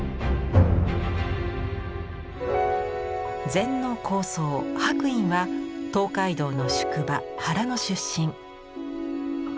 禅の高僧白隠は東海道の宿場原の出身。